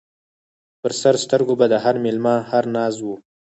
پر سر سترګو به د هر مېلمه هر ناز و